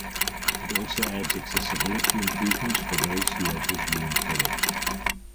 It also adds accessibility improvements for those who are visually impaired.